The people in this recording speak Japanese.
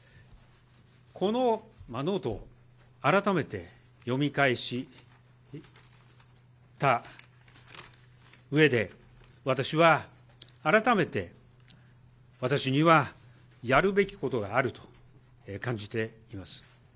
このノートを改めて読み返したうえで、私は改めて私にはやるべきことがあると感じています。